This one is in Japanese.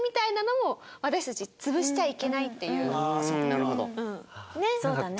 なるほど。